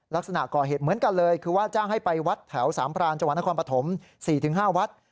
ลักษณะก่อเหตุเหมือนกันเลยคือว่าจ้างให้ไปวัดแถวสามพรานจังหวัดนครปฐม๔๕วัด